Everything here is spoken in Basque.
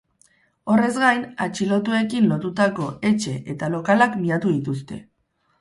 Horrez gain, atxilotuekin lotutako etxe eta lokalak miatu dituzte.